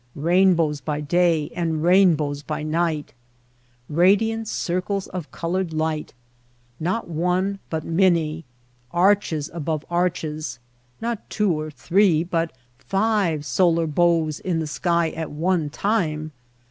Eain bows by day and rainbows by night ! Radiant circles of colored light — not one but many. Arches above arches — not two or three but five solar bows in the sky at one time